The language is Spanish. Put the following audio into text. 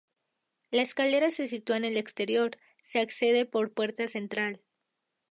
La escalera se sitúa en el exterior, se accede por puerta central.